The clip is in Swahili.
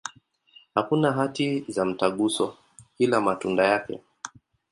Hakuna hati za mtaguso, ila matunda yake.